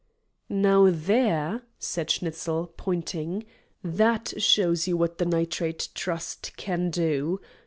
"Now, there," said Schnitzel, pointing, "that shows you what the Nitrate Trust can do.